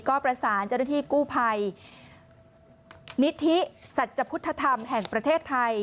ก็ประสานเจ้าหน้าที่กู้ภัยนิธิสัจพุทธธรรมแห่งประเทศไทย